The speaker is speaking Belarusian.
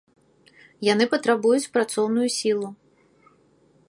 Яны патрабуюць працоўную сілу.